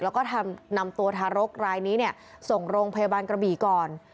แล้วก็นำตัวทารกรายนี้ส่งโรงพยาบาลกระบี่ก่อน